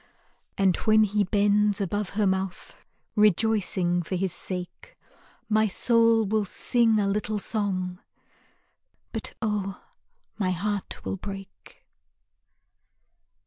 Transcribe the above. And when he bends above her mouth, Rejoicing for his sake, My soul will sing a little song, But oh, my heart will break.